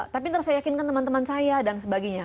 tapi ntar saya yakinkan teman teman saya dan sebagainya